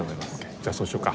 じゃあそうしようか。